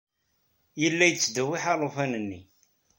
Yella yettdewwiḥ alufan-nni.